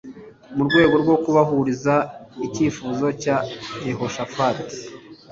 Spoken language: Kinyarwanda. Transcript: Mu rwego rwo kubahiriza icyifuzo cya Yehoshafati